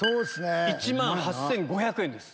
１万８５００円です。